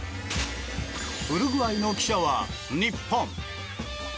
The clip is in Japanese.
ウルグアイの記者は日本。